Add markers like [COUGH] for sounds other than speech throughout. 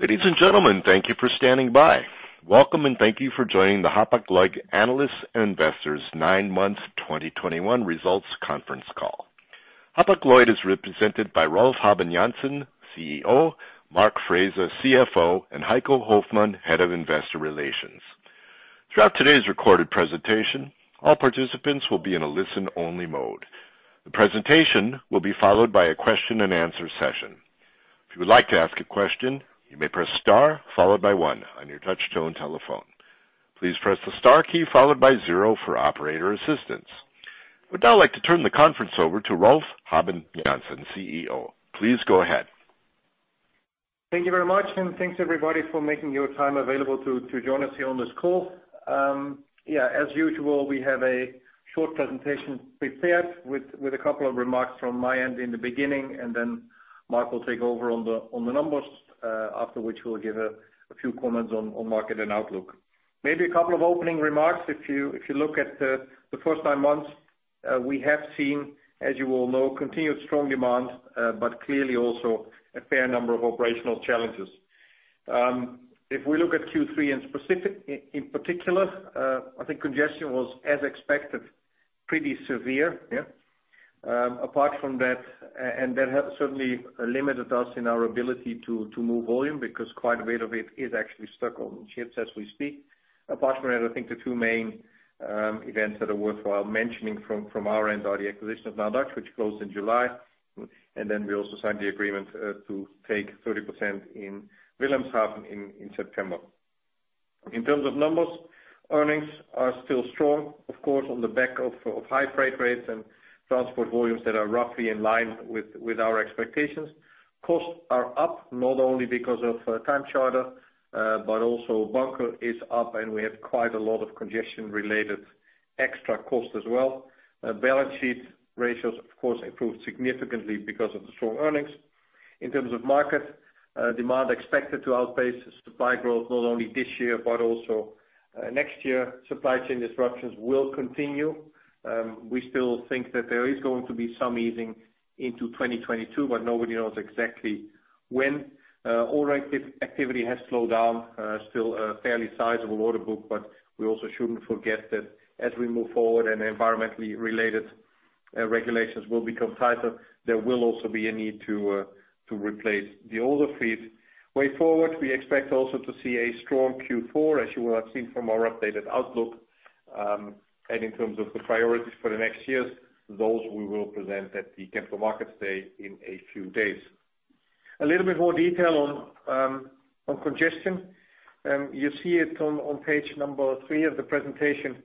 Ladies and gentlemen, thank you for standing by. Welcome, and thank you for joining the Hapag-Lloyd analysts and investors' nine months 2021 results conference call. Hapag-Lloyd is represented by Rolf Habben Jansen, CEO, Mark Frese, CFO, and Heiko Hoffmann, Head of Investor Relations. Throughout today's recorded presentation, all participants will be in a listen-only mode. The presentation will be followed by a question-and-answer session. If you would like to ask a question, you may press star followed by one on your touch-tone telephone. Please press the star key followed by zero for operator assistance. I would now like to turn the conference over to Rolf Habben Jansen, CEO. Please go ahead. Thank you very much, and thanks, everybody, for making your time available to join us here on this call. As usual, we have a short presentation prepared with a couple of remarks from my end in the beginning, and then Mark will take over on the numbers, after which we'll give a few comments on market and outlook. Maybe a couple of opening remarks. If you look at the first nine months, we have seen, as you all know, continued strong demand, but clearly also a fair number of operational challenges. If we look at Q3 in specific, in particular, I think congestion was, as expected, pretty severe. Apart from that, and that has certainly limited us in our ability to move volume because quite a bit of it is actually stuck on ships as we speak. Apart from that, I think the two main events that are worthwhile mentioning from our end are the acquisition of NileDutch, which closed in July, and then we also signed the agreement to take 30% in Wilhelmshaven, in September. In terms of numbers, earnings are still strong, of course, on the back of high freight rates and transport volumes that are roughly in line with our expectations, costs are up not only because of time charter, but also bunker is upand we have quite a lot of congestion-related extra costs as well. Balance sheet ratios, of course, improved significantly because of the strong earnings. In terms of market demand expected to outpace supply growth not only this year but also next year. Supply chain disruptions will continue. We still think that there is going to be some easing into 2022, but nobody knows exactly when. All activity has slowed down, still a fairly sizable order book, but we also shouldn't forget that as we move forward and environmentally related regulations will become tighter, there will also be a need to replace the older fleet. Going forward, we expect also to see a strong Q4, as you will have seen from our updated outlook. In terms of the priorities for the next years, those we will present at the Capital Markets Day in a few days. A little bit more detail on congestion. You see it on Page number three of the presentation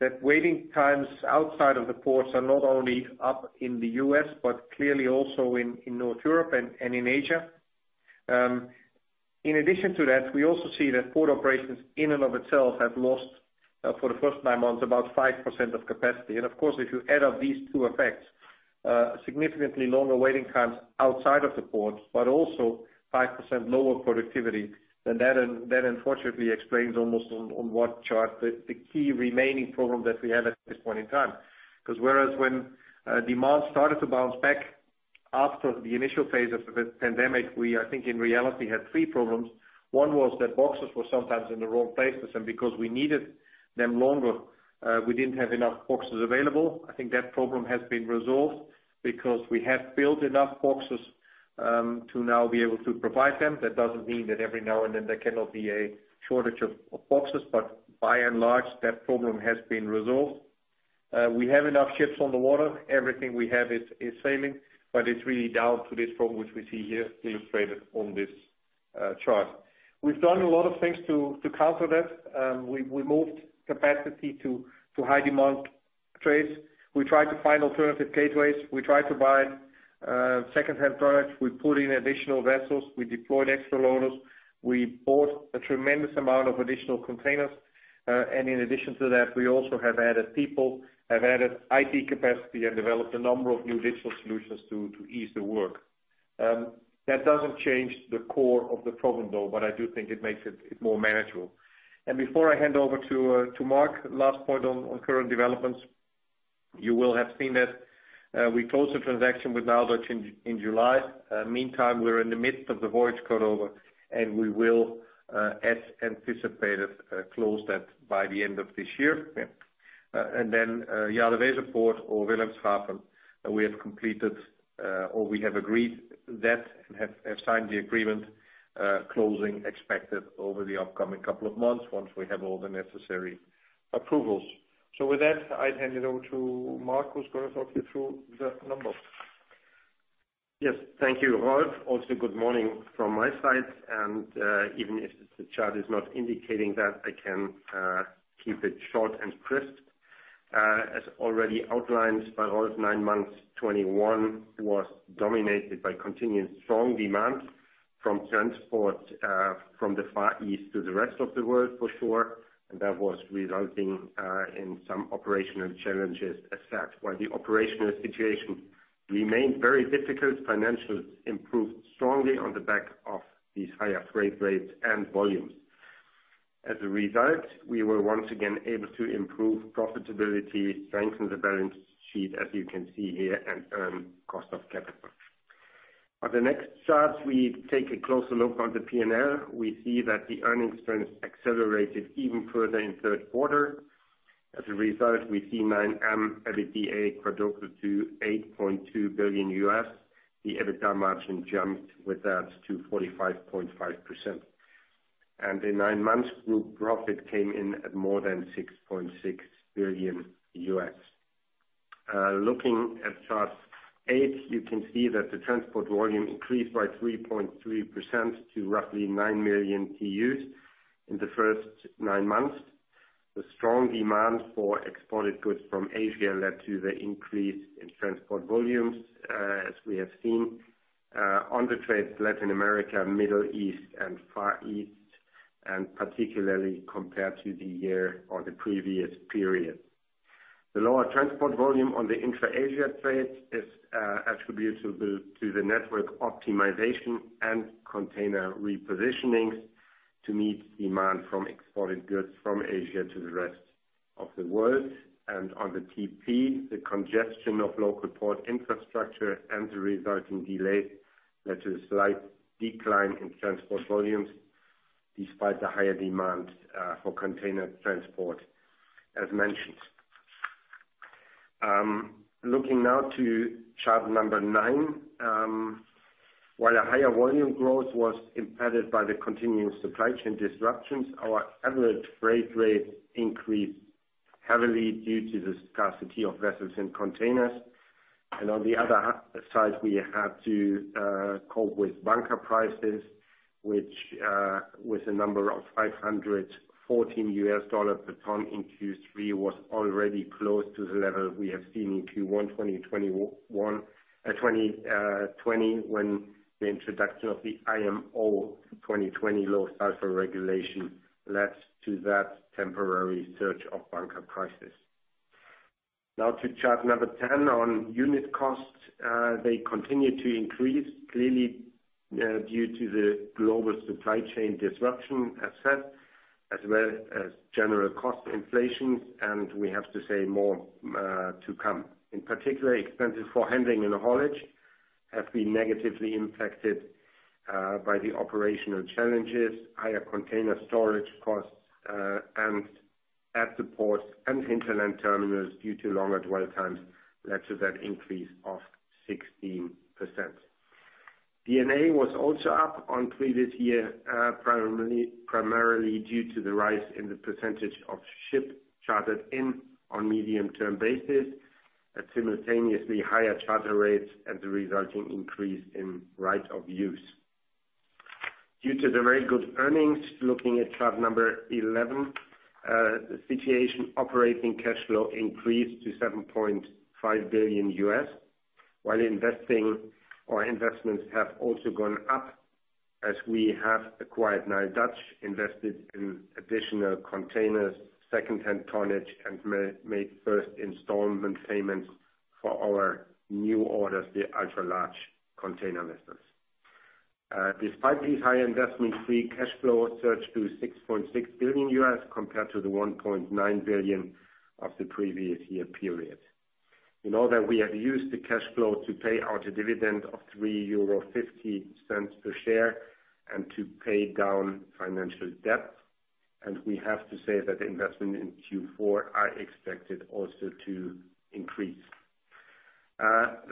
that waiting times outside of the ports are not only up in the U.S., but clearly also in North Europe and in Asia. In addition to that, we also see that port operations in and of itself have lost for the first nine months, about 5% of capacity. Of course, if you add up these two effects, significantly longer waiting times outside of the port, but also 5% lower productivity, then that unfortunately explains almost on what chart the key remaining problem that we have at this point in time. Because whereas when demand started to bounce back after the initial phase of the pandemic, we, I think, in reality, had three problems. One was that boxes were sometimes in the wrong places, and because we needed them longer, we didn't have enough boxes available. I think that problem has been resolved because we have built enough boxes to now be able to provide them. That doesn't mean that every now and then there cannot be a shortage of boxes, but by and large, that problem has been resolved. We have enough ships on the water. Everything we have is sailing, but it's really down to this problem which we see here illustrated on this chart. We've done a lot of things to counter that. We moved capacity to high-demand trades. We tried to find alternative gateways. We tried to buy second-hand products. We put in additional vessels. We deployed extra loaders. We bought a tremendous amount of additional containers. In addition to that, we also have added people, have added IT capacity, and developed a number of new digital solutions to ease the work. That doesn't change the core of the problem, though, but I do think it makes it more manageable. Before I hand over to Mark, last point on current developments. You will have seen that we closed the transaction with NileDutch in July. Meantime, we're in the midst of the voyage cutover, and we will, as anticipated, close that by the end of this year. Then, JadeWeserPort or Wilhelmshaven, we have agreed that and have signed the agreement, closing expected over the upcoming couple of months once we have all the necessary approvals. With that, I hand it over to Mark, who's going to talk you through the numbers. Yes. Thank you, Rolf, also good morning from my side. Even if the chart is not indicating that, I can keep it short and crisp. As already outlined by all nine months 2021 was dominated by continued strong demand for transport from the Far East to the rest of the world for sure. That was resulting in some operational challenges as such. While the operational situation remained very difficult, financials improved strongly on the back of these higher freight rates and volumes. As a result, we were once again able to improve profitability, strengthen the balance sheet as you can see here, and earn cost of capital. For the next chart, we take a closer look on the P&L. We see that the earnings trend is accelerated even further in third quarter. As a result, we see 9M EBITDA quadruple to $8.2 billion. The EBITDA margin jumped with that to 45.5%. The nine months group profit came in at more than $6.6 billion. Looking at Chart eight, you can see that the transport volume increased by 3.3% to roughly 9 million TEUs in the first nine months. The strong demand for exported goods from Asia led to the increase in transport volumes, as we have seen, on the trade to Latin America, Middle East, and Far East, and particularly compared to the year or the previous period. The lower transport volume on the Intra-Asia trades is attributed to the network optimization and container repositioning to meet demand from exported goods from Asia to the rest of the world. On the TP, the congestion of local port infrastructure and the resulting delay led to a slight decline in transport volumes despite the higher demand for container transport as mentioned. Looking now to Chart number nine, while a higher volume growth was impacted by the continuing supply chain disruptions, our average freight rate increased heavily due to the scarcity of vessels and containers. On the other side, we had to cope with bunker prices, which with a number of $514 per ton in Q3 was already close to the level we have seen in Q1 2020, when the introduction of the IMO 2020 low sulfur regulation led to that temporary surge of bunker prices. Now to Chart number 10, on unit costs, they continue to increase clearly due to the global supply chain disruption as said, as well as general cost inflation, and we have to say more to come. In particular, expenses for handling and haulage have been negatively impacted by the operational challenges, higher container storage costs, and at the ports and hinterland terminals due to longer dwell times led to that increase of 16%. D&A was also up on previous year, primarily due to the rise in the percentage of ship chartered in on medium-term basis at simultaneously higher charter rates and the resulting increase in right of use. Due to the very good earnings, looking at chart number 11, the operating cash flow increased to $7.5 billion, while investments have also gone up as we have acquired NileDutch, invested in additional containers, second-hand tonnage, and made first installment payments for our new orders, the ultra-large container vessels. Despite these high investments, free cash flow surged to $6.6 billion compared to the $1.9 billion of the previous year period. Now that we have used the cash flow to pay out a dividend of 3.50 euro per share and to pay down financial debt, and we have to say that investment in Q4 are expected also to increase.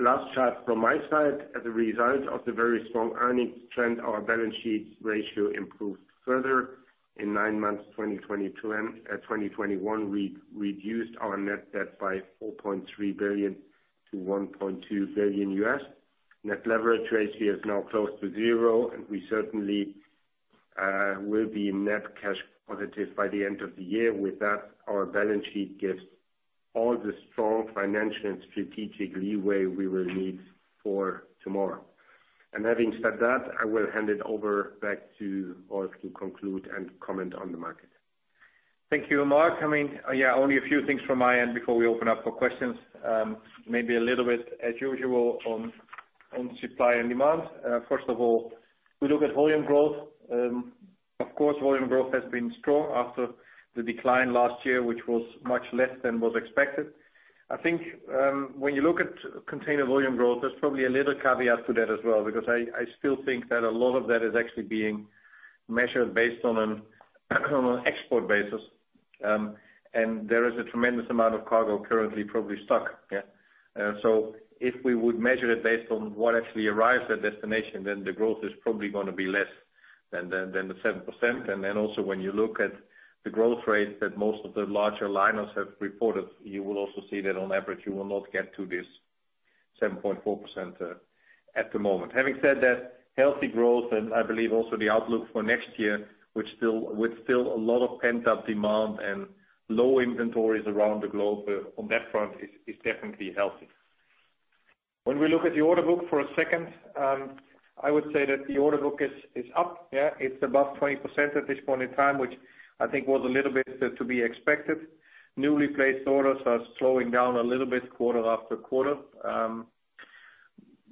Last chart from my side. As a result of the very strong earnings trend, our balance sheet ratio improved further. In the nine months of 2021, we reduced our net debt by $4.3 billion to $1.2 billion. Net leverage ratio is now close to zero, and we certainly will be net cash positive by the end of the year. With that, our balance sheet gives all the strong financial and strategic leeway we will need for tomorrow. Having said that, I will hand it over back to Ulf to conclude and comment on the market. Thank you, Mark. I mean, yes, only a few things from my end before we open up for questions. Maybe a little bit as usual on supply and demand. First of all, we look at volume growth. Of course, volume growth has been strong after the decline last year, which was much less than was expected. I think, when you look at container volume growth, there's probably a little caveat to that as well because I still think that a lot of that is actually being measured based on an export basis. There is a tremendous amount of cargo currently probably stuck. Yeah. If we would measure it based on what actually arrives at destination, then the growth is probably going to be less than the 7%. When you look at the growth rate that most of the larger liners have reported, you will also see that on average, you will not get to this 7.4% at the moment. Having said that, healthy growth and I believe also the outlook for next year, which still, with still a lot of pent-up demand and low inventories around the globe, on that front is definitely healthy. When we look at the order book for a second, I would say that the order book is up. Yeah. It's above 20% at this point in time, which I think was a little bit to be expected. Newly placed orders are slowing down a little bit quarter-after-quarter.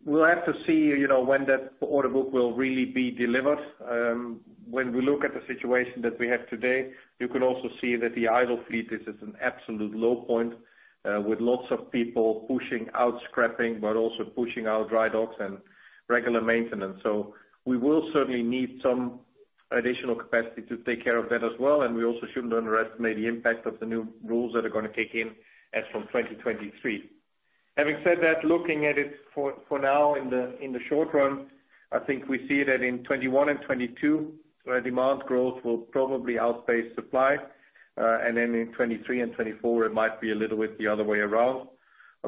We'll have to see. when that order book will really be delivered. When we look at the situation that we have today, you can also see that the idle fleet is at an absolute low point, with lots of people pushing out scrapping, but also pushing out dry docks and regular maintenance. We will certainly need some additional capacity to take care of that as well, and we also shouldn't underestimate the impact of the new rules that are going to kick in as from 2023. Having said that, looking at it for now in the short run, I think we see that in 2021 and 2022, where demand growth will probably outpace supply. In 2023 and 2024, it might be a little bit the other way around.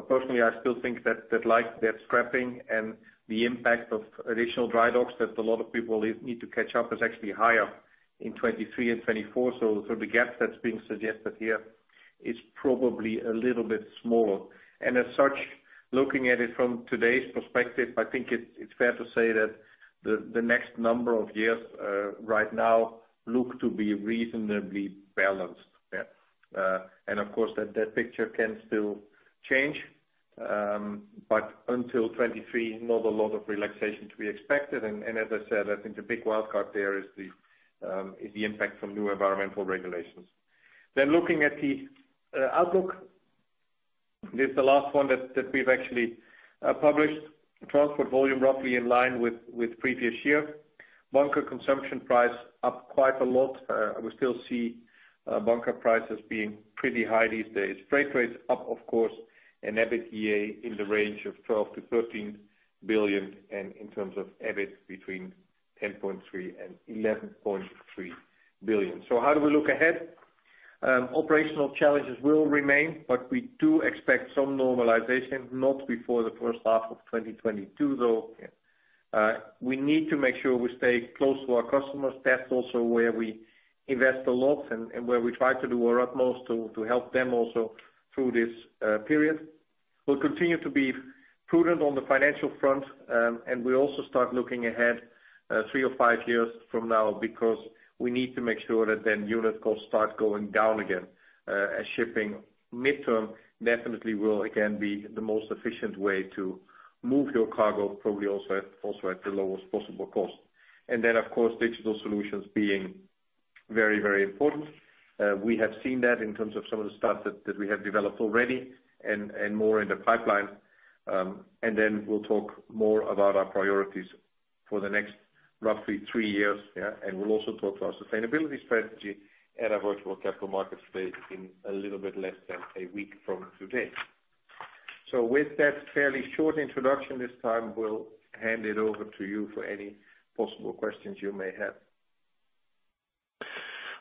Personally, I still think that like that scrapping and the impact of additional dry docks that a lot of people need to catch up is actually higher in 2023 and 2024. The gap that's being suggested here is probably a little bit smaller. As such, looking at it from today's perspective, I think it's fair to say that the next number of years right now look to be reasonably balanced. Yeah. Of course that picture can still change, but until 2023, not a lot of relaxations we expected. As I said, I think the big wildcard there is the impact from new environmental regulations. Looking at the outlook, this is the last one that we've actually published. Transport volume roughly in line with previous year. Bunker consumption price up quite a lot. We still see bunker prices being pretty high these days. Freight rates up, of course, and EBITDA in the range of 12 billion-13 billion, and in terms of EBIT between 10.3 billion-11.3 billion. How do we look ahead? Operational challenges will remain, but we do expect some normalization, not before the first half of 2022, though. We need to make sure we stay close to our customers. That's also where we invest a lot and where we try to do our utmost to help them also through this period. We'll continue to be prudent on the financial front, and we also start looking ahead, three or five years from now because we need to make sure that then unit costs start going down again, as shipping midterm definitely will again be the most efficient way to move your cargo, probably also at the lowest possible cost. Of course, digital solutions being very, very important. We have seen that in terms of some of the stuff that we have developed already and more in the pipeline. We'll talk more about our priorities for the next roughly three years, yes, and we'll also talk to our sustainability strategy at our virtual capital markets day in a little bit less than a week from today. With that fairly short introduction, this time we'll hand it over to you for any possible questions you may have.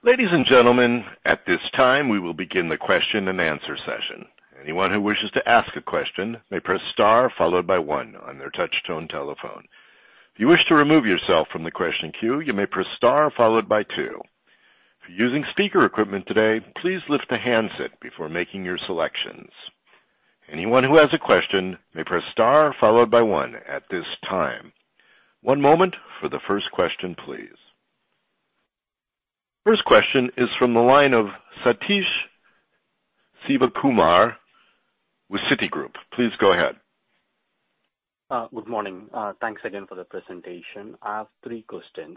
Ladies and gentlemen, at this time, we will begin the question-and-answer session. Anyone who wishes to ask a question may press star followed by one on their touch-tone telephone. If you wish to remove yourself from the question queue, you may press star followed by two. If you're using speaker equipment today, please lift the handset before making your selections. Anyone who has a question may press star followed by one at this time. One moment for the first question, please. First question is from the line of Sathish Sivakumar with Citigroup. Please go ahead. Good morning. Thanks again for the presentation. I have three questions.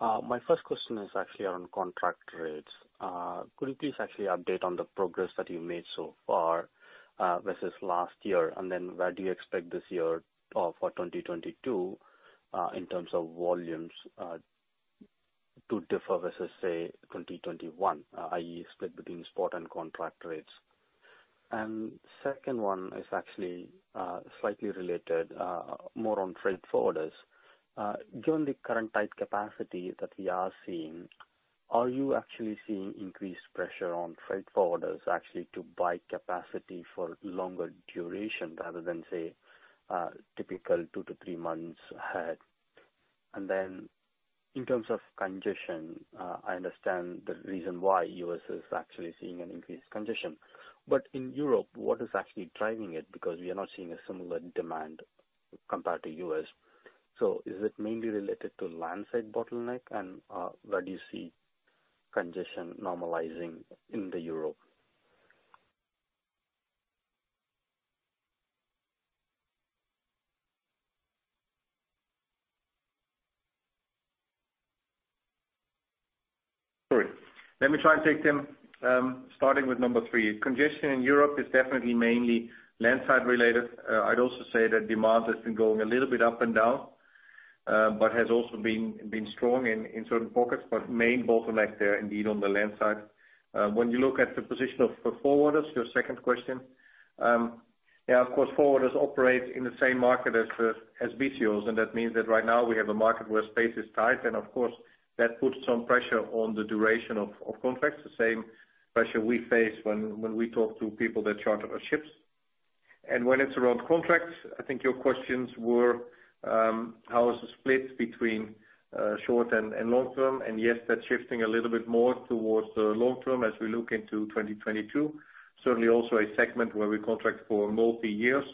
My first question is actually on contract rates. Could you please actually update on the progress that you made so far, versus last year? Where do you expect this year, for 2022, in terms of volumes, to differ versus, say, 2021, i.e., split between spot and contract rates? Second one is actually, slightly related, more on freight forwarders. Given the current tight capacity that we are seeing, are you actually seeing increased pressure on freight forwarders actually to buy capacity for longer duration rather than, say, typical two to three months ahead? In terms of congestion, I understand the reason why U.S. is actually seeing an increased congestion. In Europe, what is actually driving it? Because we are not seeing a similar demand compared to U.S. Is it mainly related to landside bottleneck? Where do you see congestion normalizing in the Europe? Sorry. Let me try and take them, starting with number three. Congestion in Europe is definitely mainly landside related. I'd also say that demand has been going a little bit up and down, but has also been strong in certain pockets, but main bottleneck there indeed on the landside. When you look at the position of for forwarders, your second question, yes, of course, forwarders operate in the same market as BCOs, and that means that right now we have a market where space is tight. Of course, that puts some pressure on the duration of contracts, the same pressure we face when we talk to people that charter our ships. When it's around contracts, I think your questions were, how is the split between short and long term? Yes, that's shifting a little bit more towards the long term as we look into 2022. Certainly also a segment where we contract for multi years.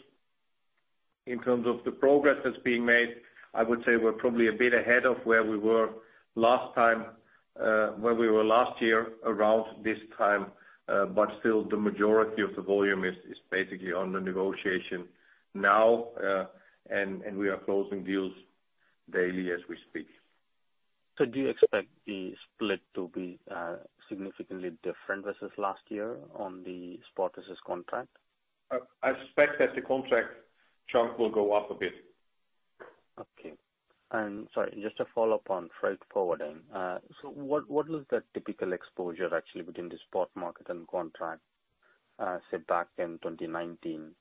In terms of the progress that's being made, I would say we're probably a bit ahead of where we were last time, where we were last year around this time, but still the majority of the volume is basically under negotiation now, and we are closing deals daily as we speak. Do you expect the split to be significantly different versus last year on the spot versus contract? I expect that the contract chunk will go up a bit. Okay. Sorry, just to follow up on freight forwarding. What was the typical exposure actually within the spot market and contract, back in 2019?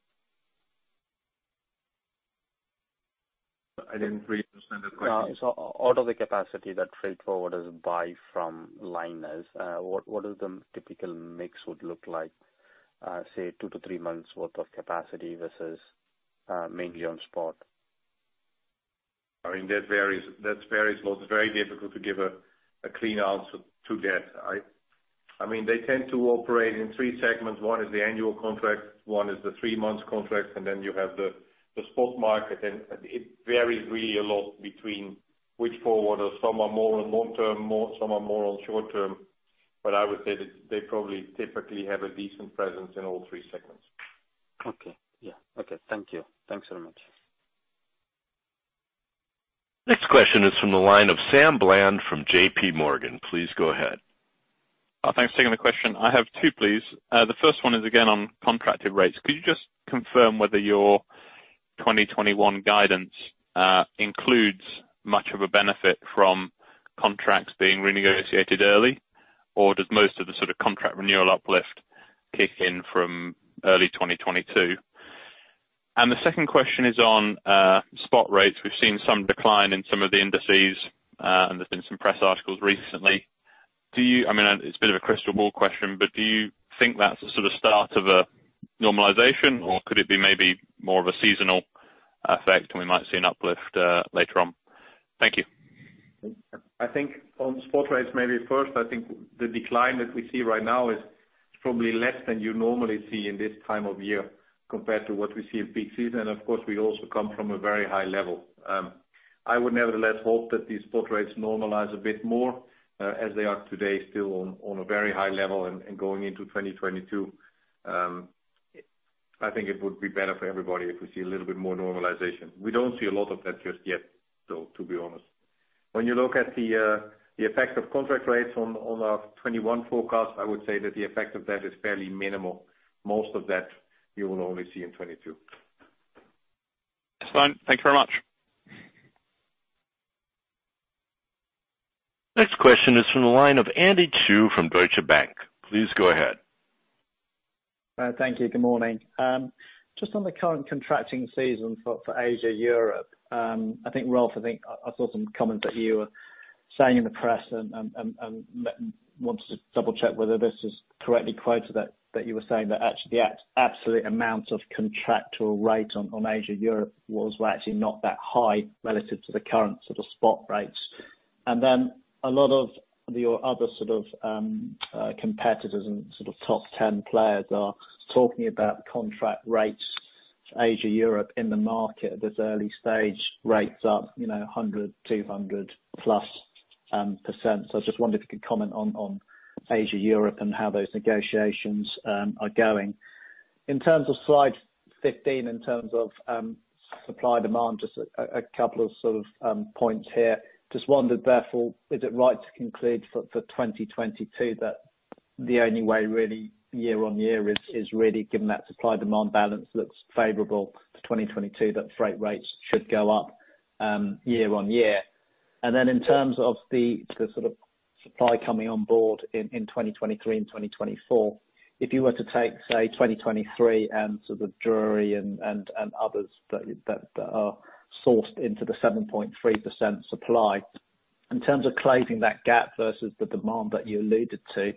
I didn't really understand the question. Out of the capacity that freight forwarders buy from liners, what is the typical mix would look like, say two to three months' worth of capacity versus mainly on spot? I mean, that varies. Well, it's very difficult to give a clean answer to that. I mean, they tend to operate in three segments. One is the annual contract, one is the three months contract, and then you have the spot market. It varies really a lot between which forwarder. Some are more on long-term, more. Some are more on short term, but I would say that they probably typically have a decent presence in all three segments. Okay. Yeah. Okay. Thank you. Thanks very much. Next question is from the line of Sam Bland from JPMorgan. Please go ahead. Thanks for taking the question. I have two, please. The first one is again on contracted rates. Could you just confirm whether your 2021 guidance includes much of a benefit from contracts being renegotiated early? Or does most of the sort of contract renewal uplift kick in from early 2022? The second question is on spot rates. We've seen some decline in some of the indices, and there's been some press articles recently. I mean, it's a bit of a crystal ball question, but do you think that's the sort of start of a normalization, or could it be maybe more of a seasonal effect and we might see an uplift later on? Thank you. I think on spot rates, maybe first, I think the decline that we see right now is probably less than you normally see in this time of year compared to what we see in peak season. Of course, we also come from a very high level. I would nevertheless hope that these spot rates normalize a bit more, as they are today, still on a very high level ang going into 2022, I think it would be better for everybody if we see a little bit more normalization. We don't see a lot of that just yet, though, to be honest. When you look at the effect of contract rates on our 2021 forecast, I would say that the effect of that is fairly minimal. Most of that you will only see in 2022. That's fine. Thank you very much. Next question is from the line of Andy Chu from Deutsche Bank. Please go ahead. Thank you. Good morning. Just on the current contracting season for Asia/Europe, I think, Rolf, I think I saw some comments that you were saying in the press and wanted to double check whether this is correctly quoted, that you were saying that actually the absolute amount of contractual rate on Asia/Europe was actually not that high relative to the current sort of spot rates. A lot of your other sort of competitors and sort of top ten players are talking about contract rates Asia/Europe in the market at this early stage, rates up. 100, 200%+. I just wondered if you could comment on Asia/Europe and how those negotiations are going? In terms of slide 15, supply demand, just a couple of sorts of points here. Just wondered therefore, is it right to conclude for 2022 that the only way really year on year is really given that supply demand balance looks favorable to 2022, that freight rates should go up year-on-year? In terms of the sort of supply coming on board in 2023 and 2024, if you were to take, say, 2023 and sort of Drewry and others that are sourced into the 7.3% supply, in terms of closing that gap versus the demand that you alluded to,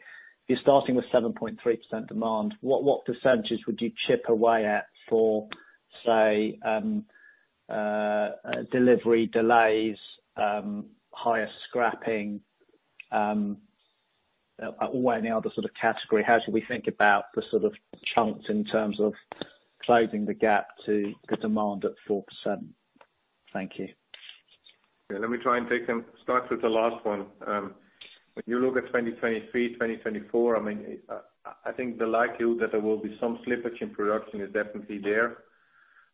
you're starting with 7.3% demand. What percentages would you chip away at for, say, delivery delays, higher scrapping, or any other sort of category? How should we think about the sort of chunks in terms of closing the gap to the demand at 4%? Thank you. Yes, let me try and take them, can start with the last one. When you look at 2023, 2024, I mean, I think the likelihood that there will be some slippage in production is definitely there.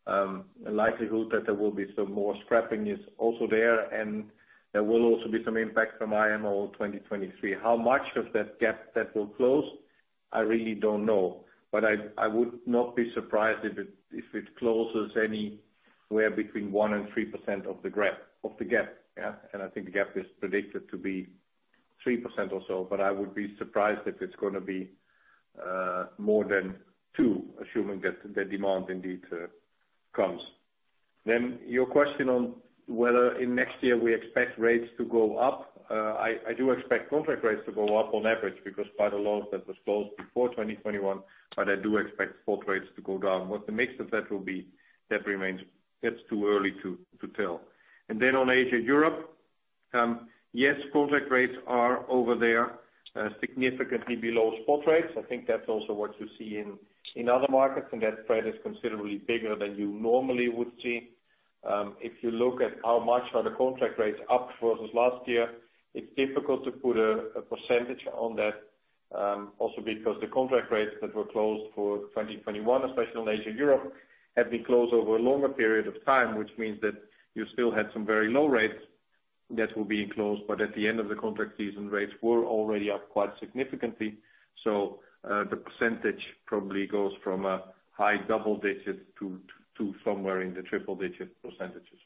A likelihood that there will be some more scrapping is also there, and there will also be some impact from IMO 2023. How much of that gap will close? I really don't know, but I would not be surprised if it closes anywhere between 1%-3% of the gap. Yeah. I think the gap is predicted to be 3% or so, but I would be surprised if it's going to be more than 2%, assuming that the demand indeed comes. Your question on whether in next year we expect rates to go up, I do expect contract rates to go up on average because quite a lot that was closed before 2021, but I do expect spot rates to go down. What the mix of that will be, that remains. It's too early to tell. Then on Asia/Europe, yes, contract rates are over there, significantly below spot rates. I think that's also what you see in other markets, and that spread is considerably bigger than you normally would see. If you look at how much are the contract rates up versus last year, it's difficult to put a percentage on that. Also, because the contract rates that were closed for 2021, especially in Asia and Europe, had been closed over a longer period of time, which means that you still had some very low rates that were being closed, but at the end of the contract season rates were already up quite significantly. The percentage probably goes from a high double-digit to somewhere in the triple-digit percentages.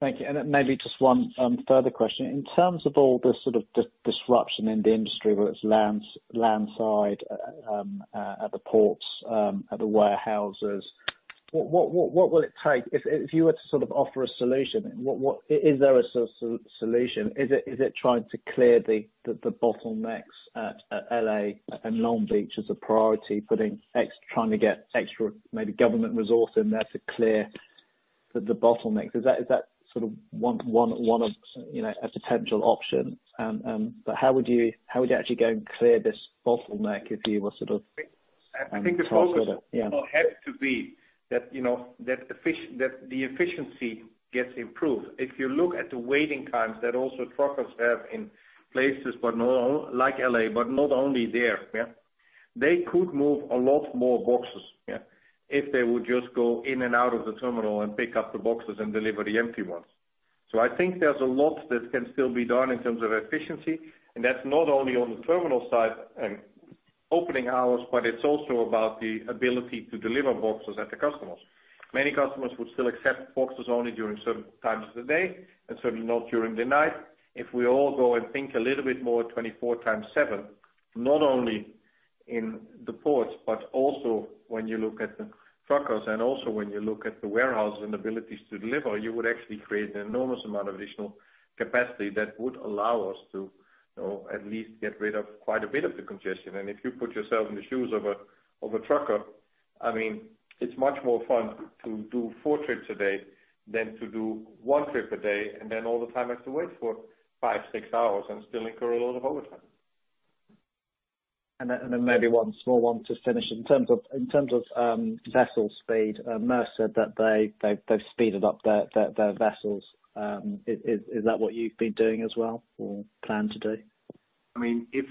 Thank you. Maybe just one further question. In terms of all the sort of disruption in the industry, whether it's land side, at the ports, at the warehouses, what will it take? If you were to sort of offer a solution, what. Is there a solution? Is it trying to clear the bottlenecks at L.A. and Long Beach as a priority, trying to get extra maybe government resource in there to clear the bottlenecks? Is that sort of one of. a potential option. How would you actually go and clear this bottleneck if you were sort of- I think the focus- Yeah.... will have to be that. the efficiency gets improved. If you look at the waiting times that truckers also have in places like L.A., but not only there. They could move a lot more boxes, yes, if they would just go in and out of the terminal and pick up the boxes and deliver the empty ones. I think there's a lot that can still be done in terms of efficiency, and that's not only on the terminal side and opening hours, but it's also about the ability to deliver boxes to the customers. Many customers would still accept boxes only during certain times of the day, and certainly not during the night. If we all go and think a little bit more 24/7, not only in the ports, but also when you look at the truckers and also when you look at the warehousing abilities to deliver, you would actually create an enormous amount of additional capacity that would allow us to. at least get rid of quite a bit of the congestion. If you put yourself in the shoes of a trucker, I mean, it's much more fun to do four trips a day than to do one trip a day and then all the time have to wait for five, six hours and still incur a lot of overtime. Then maybe one small one to finish. In terms of vessel speed, Maersk said that they've speed of their vessels. Is that what you've been doing as well or plan to do? I mean, if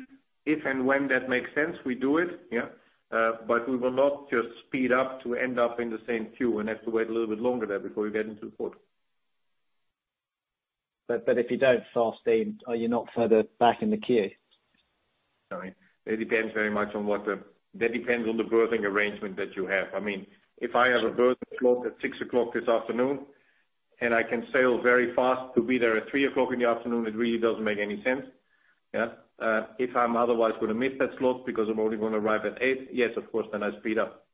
and when that makes sense, we do it, yes, but we will not just speed up to end up in the same queue and have to wait a little bit longer there before we get into the port. If you don't fast steam, are you not further back in the queue? Alright. That depends on the berthing arrangement that you have. I mean, if I have a berth slot at 6:00 P.M., and I can sail very fast to be there at 3:00 P.M., it really doesn't make any sense, yes. If I'm otherwise going to miss that slot because I'm only going to arrive at 8:00 P.M., yes, of course, then I speed up.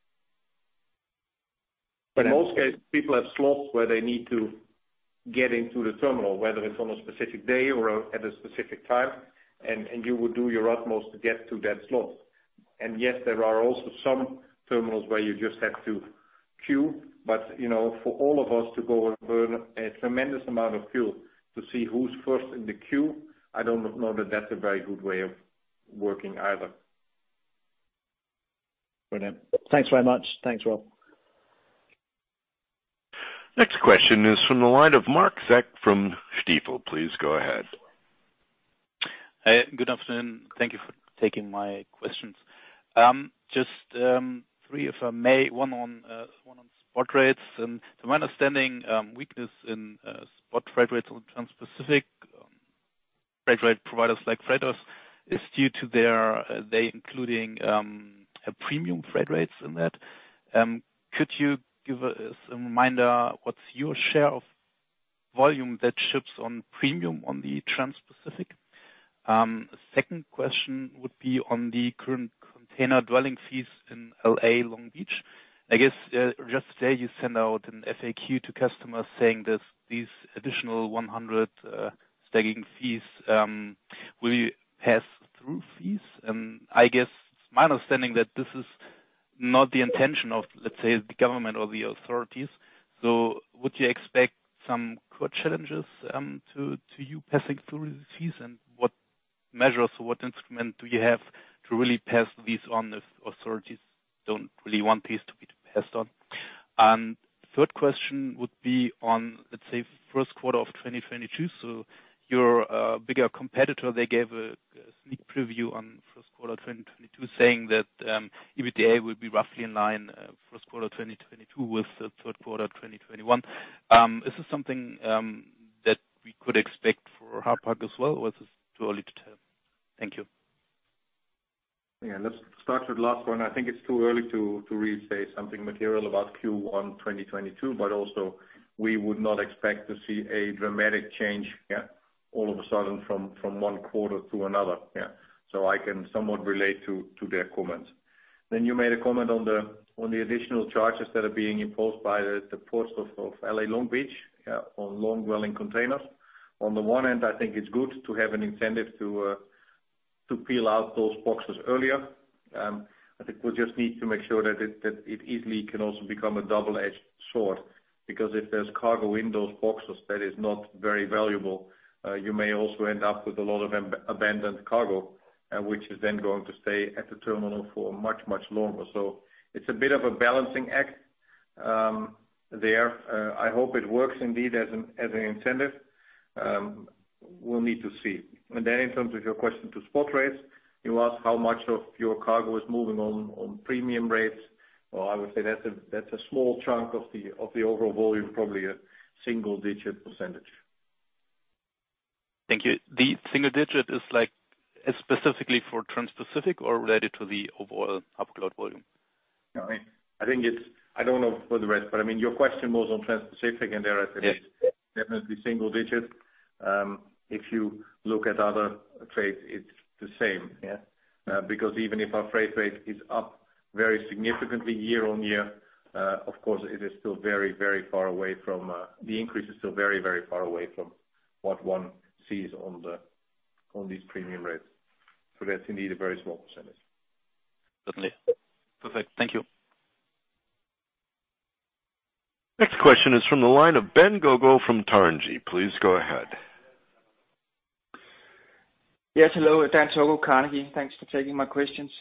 In most cases, people have slots where they need to get into the terminal, whether it's on a specific day or at a specific time, and you would do your utmost to get to that slot. Yes, there are also some terminals where you just have to queue, but for all of us to go and burn a tremendous amount of fuel to see who's first in the queue, I don't know that that's a very good way of working either. Brilliant. Thanks very much. Thanks, Rolf. Next question is from the line of Marc Zeck from Stifel. Please go ahead. Good afternoon. Thank you for taking my questions. Just three if I may. One on spot rates and my understanding, weakness in spot freight rates on Transpacific, freight rate providers like Freightos is due to their including a premium freight rates in that. Could you give us a reminder, what's your share of volume that ships on premium on the Transpacific? Second question would be on the current container dwell fees in L.A., Long Beach. I guess, just today you sent out an FAQ to customers saying that these additional 100 staging fees will you pass through fees? I guess my understanding that this is not the intention of, let's say, the government or the authorities. Would you expect some court challenges to you passing through the fees? What measures, what instrument do you have to really pass this on if authorities don't really want this to be passed on? Third question would be on, let's say, first quarter of 2022. Your bigger competitor, they gave a sneak preview on first quarter 2022 saying that EBITDA will be roughly in line first quarter 2022 with the third quarter 2021. Is this something that we could expect for Hapag as well, or is this too early to tell? Thank you. Yes. Let's start with the last one. I think it's too early to really say something material about Q1 2022, but also we would not expect to see a dramatic change, yes, all of a sudden from one quarter to another. So, I can somewhat relate to their comments. You made a comment on the additional charges that are being imposed by the ports of L.A., Long Beach, on long-dwelling containers, on the one end, I think it's good to have an incentive to peel out those boxes earlier. I think we just need to make sure that it easily can also become a double-edged sword, because if there's cargo in those boxes that is not very valuable, you may also end up with a lot of abandoned cargo, which is then going to stay at the terminal for much, much longer. It's a bit of a balancing act there. I hope it works indeed as an incentive. We'll need to see. In terms of your question to spot rates, you asked how much of your cargo is moving on premium rates. Well, I would say that's a small chunk of the overall volume, probably a single-digit percentage. Thank you. The single digit is like, is specifically for Transpacific or related to the overall uplift volume? I think it's. I don't know for the rest, but I mean, your question was on Transpacific, and there I said definitely single-digit. If you look at other trades, it's the same. Yes, because even if our freight rate is up very significantly year-on-year, of course, the increase is still very, very far away from what one sees on these premium rates. That's indeed a very small percentage. Certainly. Perfect. Thank you. Next question is from the line of [INAUDIBLE] from Carnegie. Please go ahead. Yes, hello. [INAUDIBLE] Thanks for taking my questions.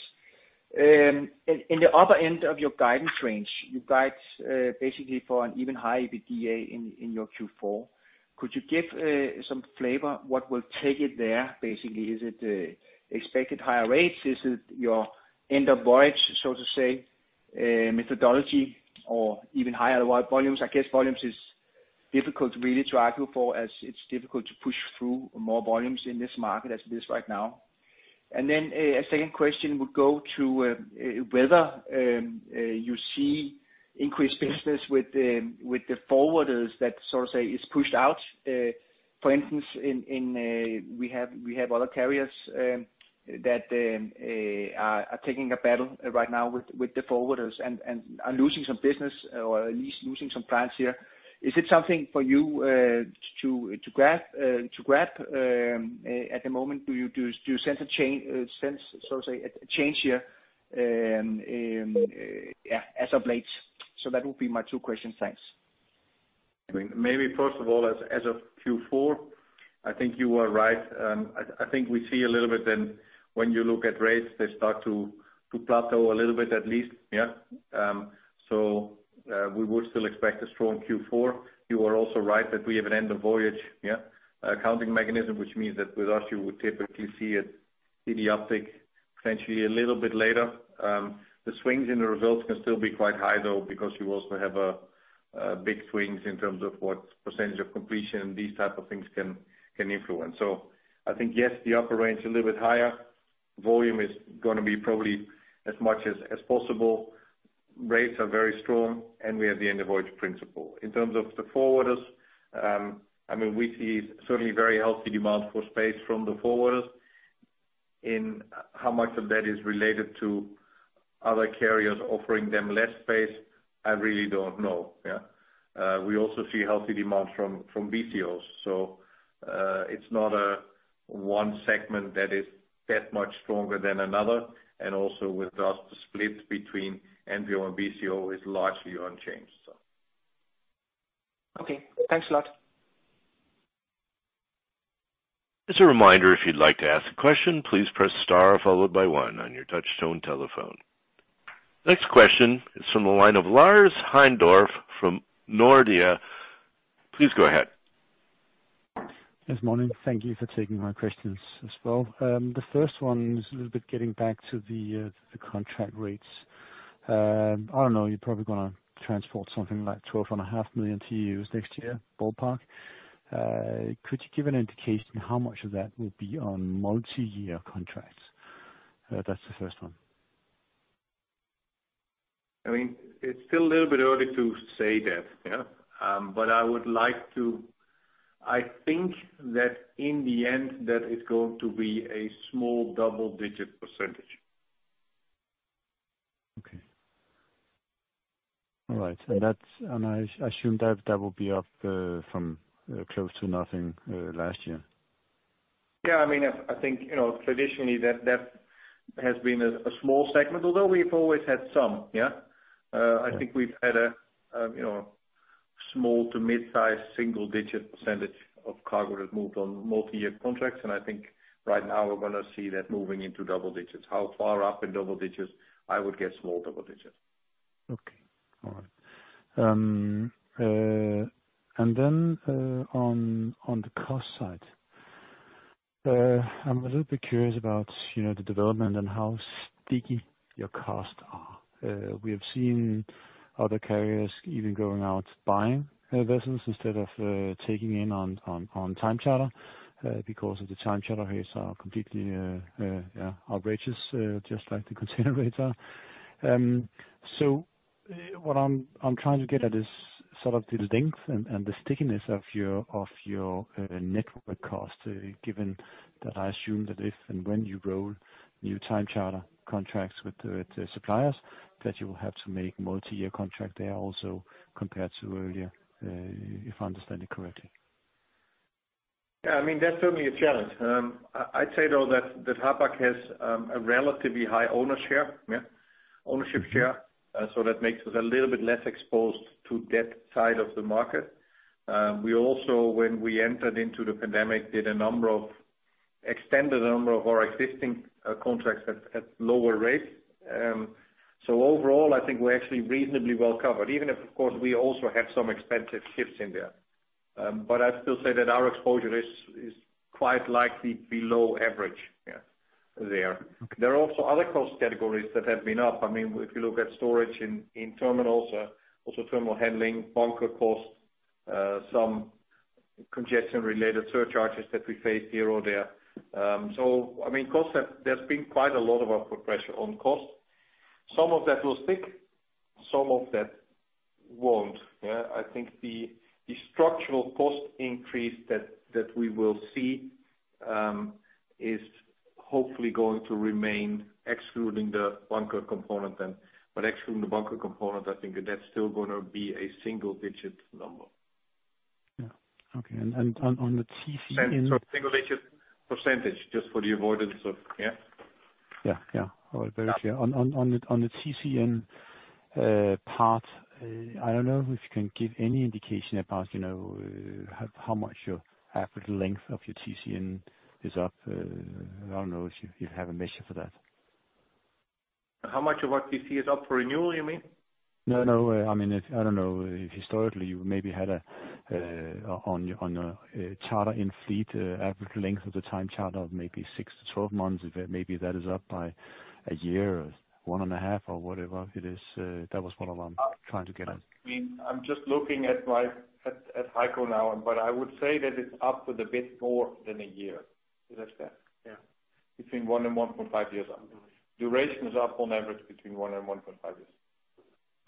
In the upper end of your guidance range, you guide basically for an even higher EBITDA in your Q4. Could you give some flavor what will take it there? Basically, is it expected higher rates? Is it your end of voyage, so to say, methodology or even higher volumes? I guess volumes is difficult really to argue for as it's difficult to push through more volumes in this market as it is right now. Then a second question would go to whether you see increased business with the forwarders that so to say is pushed out. For instance, we have other carriers that are taking a battle right now with the forwarders and are losing some business or at least losing some clients here. Is it something for you to grab at the moment? Do you sense, so to say, a change here as of late? That would be my two questions. Thanks. I mean, maybe first of all, as of Q4, I think you are right. I think we see a little bit then when you look at rates, they start to plateau a little bit at least. We would still expect a strong Q4. You are also right that we have an end of voyage, yes. Accounting mechanism, which means that with us you would typically see the uptick potentially a little bit later. The swings in the results can still be quite high, though, because you also have big swings in terms of what percentage of completion these types of things can influence. I think, yes, the upper range a little bit higher, volume is going to be probably as much as possible. Rates are very strong, and we have the end of voyage principle. In terms of the forwarders, I mean, we see certainly very healthy demand for space from the forwarders. In how much of that is related to other carriers offering them less space, I really don't know. We also see healthy demand from BCOs. It's not a one segment that is that much stronger than another. Also with us, the split between NVO and BCO is largely unchanged, so. Okay. Thanks a lot. As a reminder, if you'd like to ask a question, please press star followed by one on your touchtone telephone. Next question is from the line of Lars Heindorff from Nordea. Please go ahead. Yes, morning. Thank you for taking my questions as well. The first one is a little bit getting back to the contract rates. I don't know, you're probably going to transport something like 12.5 million TEUs next year, ballpark. Could you give an indication how much of that will be on multi-year contracts? That's the first one. I mean, it's still a little bit early to say that. I think that in the end that is going to be a small double-digit percentage. Okay. All right. I assume that will be up from close to nothing last year. Yes, I mean, I think traditionally that has been a small segment, although we've always had some. I think we've had a small to mid-size single digit percentage of cargo that moved on multi-year contracts. I think right now we're going to see that moving into double-digits. How far up in double digits? I would guess small double-digits. Okay. All right. On the cost side, I'm a little bit curious about the development and how sticky your costs are. We have seen other carriers even going out buying vessels instead of taking in on time charter because the time charter rates are completely outrageous just like the container rates are. What I'm trying to get at is sort of the length and the stickiness of your network cost given that I assume that if and when you roll new time charter contracts with the suppliers that you will have to make multi-year contract there also compared to earlier if I understand it correctly. Yes, I mean, that's certainly a challenge. I'd say, though, that Hapag has a relatively high ownership share, so that makes us a little bit less exposed to that side of the market. We also, when we entered into the pandemic, did a number of extensions to the number of our existing contracts at lower rates. So overall, I think we're actually reasonably well covered, even if, of course, we also have some expensive ships in there. But I'd still say that our exposure is quite likely below average there. There are also other cost categories that have been up. I mean, if you look at storage in terminals, also terminal handling, bunker costs, some congestion-related surcharges that we face here or there. So, I mean, costs have... There's been quite a lot of upward pressure on costs. Some of that will stick, some of that won't, yeah. I think the structural cost increase that we will see is hopefully going to remain excluding the bunker component then. Excluding the bunker component, I think that that's still going to be a single digit number. Yeah. Okay. On the TC- Sorry, single-digit percentage just for the avoidance of... Yes. Yes, all very clear. On the TC part, I don't know if you can give any indication about. how much your average length of your TC is up. I don't know if you have a measure for that. How much of our TC is up for renewal, you mean? No, I mean, I don't know, historically you maybe had a charter in fleet average length of the time charter of maybe six to 12 months. If maybe that is up by a year or 1.5 or whatever it is. That was what I'm trying to get at. I mean, I'm just looking at Heiko now, but I would say that it's up with a bit more than a year. Is that fair? Yes. Between one and 1.5 years. Duration is up on average between one and 1.5 years.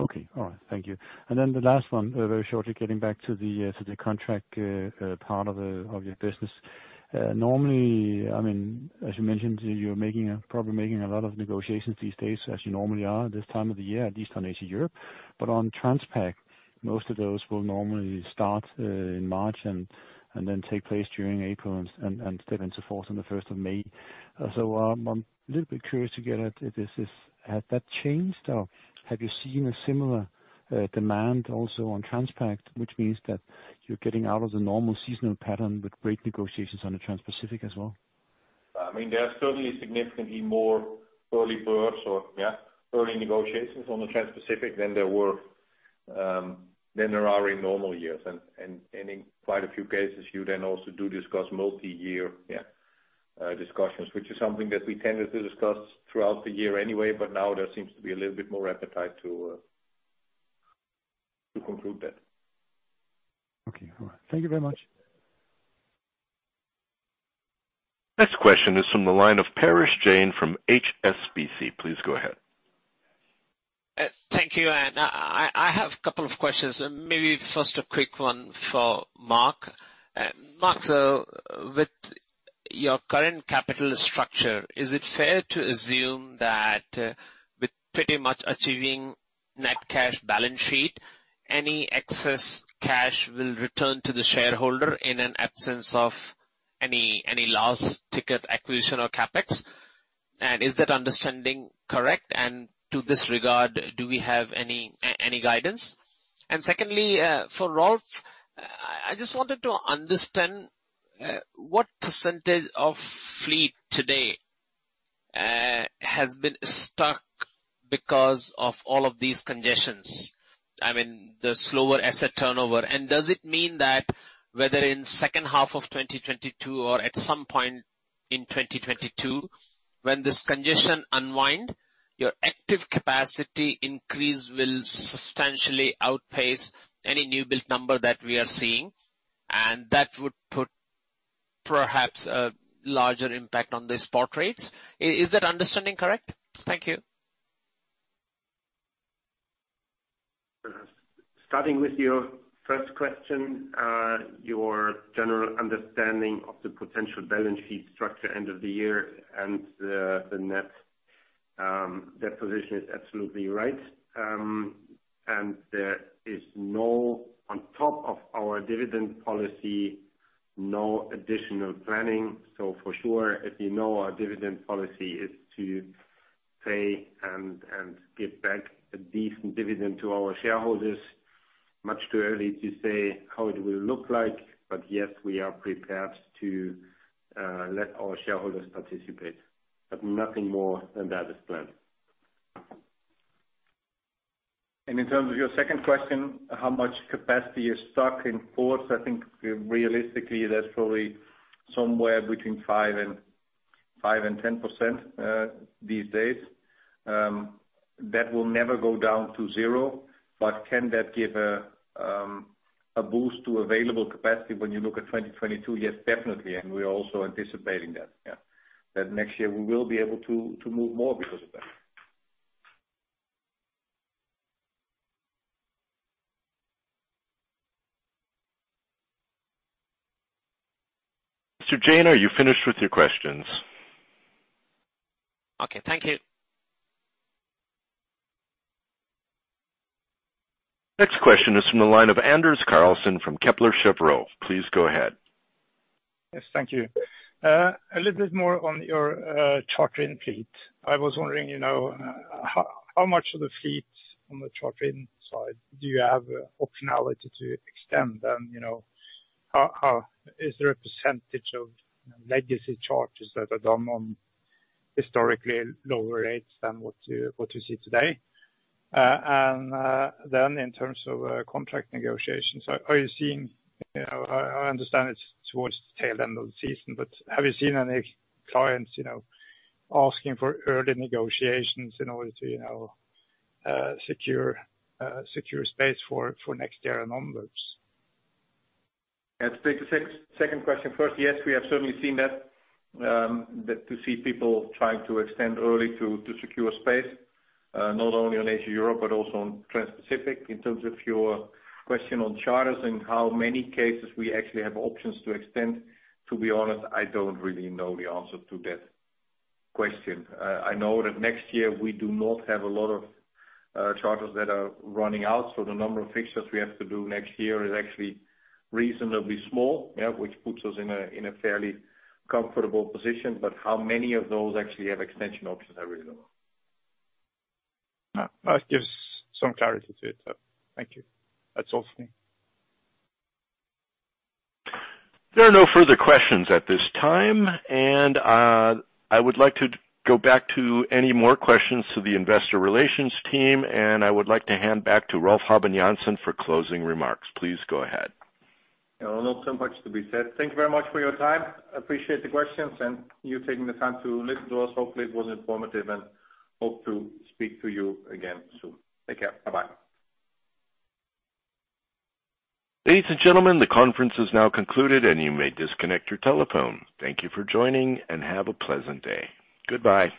Okay. All right. Thank you. The last one, very shortly getting back to the contract part of your business. Normally, I mean, as you mentioned, you're probably making a lot of negotiations these days as you normally are this time of the year, at least on Asia/Europe, but on Transpac, most of those will normally start in March and then take place during April and step into forth on the 1st of May. I'm a little bit curious to get at if this has changed or have you seen a similar demand also on Transpac, which means that you're getting out of the normal seasonal pattern with early negotiations on the Transpacific as well? I mean, there are certainly significantly more early birds or early negotiations on the Transpacific than there are in normal years. In quite a few cases, you then also do discuss multi-year discussions, which is something that we tended to discuss throughout the year anyway, but now there seems to be a little bit more appetite to conclude that. Okay. All right. Thank you very much. Next question is from the line of Parash Jain from HSBC. Please go ahead. Thank you. I have a couple of questions. Maybe first a quick one for Mark. Mark, with your current capital structure, is it fair to assume that with pretty much achieving net cash balance sheet, any excess cash will return to the shareholder in absence of any loss ticket acquisition or CapEx? Is that understanding correct? In this regard, do we have any guidance? Secondly, for Rolf, I just wanted to understand what percentage of fleet today has been stuck because of all of these congestions. I mean, the slower asset turnover. Does it mean that whether in second half of 2022 or at some point in 2022, when this congestion unwinds, your active capacity increase will substantially outpace any new build number that we are seeing, and that would put perhaps a larger impact on the spot rates. Is that understanding correct? Thank you. Starting with your first question, your general understanding of the potential balance sheet structure end of the year and the net debt position is absolutely right. There is no additional planning on top of our dividend policy. For sure, as you know, our dividend policy is to pay and give back a decent dividend to our shareholders. Much too early to say how it will look like, but yes, we are prepared to let our shareholders participate. Nothing more than that is planned. In terms of your second question, how much capacity is stuck in ports, I think realistically there's probably somewhere between 5 and 10%, these days. That will never go down to zero. Can that give a boost to available capacity when you look at 2022? Yes, definitely. We're also anticipating that. Yes, that next year we will be able to move more because of that. Mr. Jain, are you finished with your questions? Okay. Thank you. Next question is from the line of Anders Karlsen from Kepler Cheuvreux. Please go ahead. Yes, thank you. A little bit more on your charter-in fleet. I was wondering. How much of the fleet on the charter-in side do you have optionality to extend? Is there a percentage of legacy charters that are done on historically lower rates than what you see today? And then in terms of contract negotiations, are you seeing, I understand it's towards the tail end of the season, but have you seen any clients. asking for early negotiations in order to secure space for next year numbers? To take the second question first, yes, we have certainly seen that people trying to extend early to secure space, not only on Asia/Europe but also on Transpacific. In terms of your question on charters and how many cases we actually have options to extend, to be honest, I don't really know the answer to that question. I know that next year we do not have a lot of charters that are running out, so the number of fixtures we have to do next year is actually reasonably small. Which puts us in a fairly comfortable position. How many of those actually have extension options are really low. No, that gives some clarity to it though. Thank you. That's all for me. There are no further questions at this time. I would like to go back to any more questions to the investor relations team, and I would like to hand back to Rolf Habben Jansen for closing remarks. Please go ahead. Yeah. Well, not so much to be said. Thank you very much for your time. Appreciate the questions and you taking the time to listen to us. Hopefully it was informative and hope to speak to you again soon. Take care. Bye-bye. Ladies and gentlemen, the conference is now concluded and you may disconnect your telephone. Thank you for joining, and have a pleasant day. Goodbye.